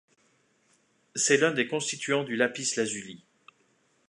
C'est l'un des constituants du lapis-lazuli.